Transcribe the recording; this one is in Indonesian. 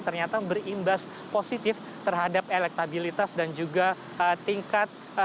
ternyata berimbas positif terhadap elektabilitas dan juga tingkat